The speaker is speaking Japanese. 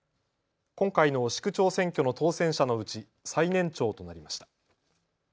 今回の市区長選挙の当選者のうち最年長となりました。